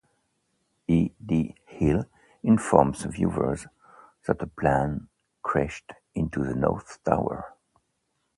E. D. Hill informs viewers that a plane crashed into the North Tower.